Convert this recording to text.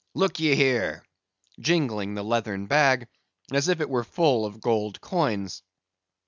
Look ye here!" jingling the leathern bag, as if it were full of gold coins.